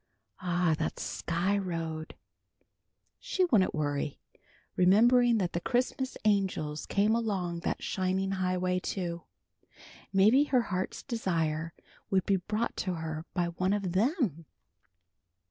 Ah, that Sky Road! She wouldn't worry, remembering that the Christmas Angels came along that shining highway too. Maybe her heart's desire would be brought to her by one of them!